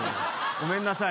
ごめんなさい。